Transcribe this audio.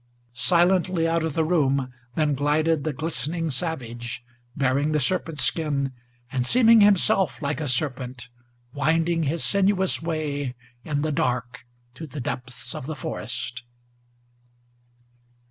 Silently out of the room then glided the glistening savage, Bearing the serpent's skin, and seeming himself like a serpent, Winding his sinuous way in the dark to the depths of the forest.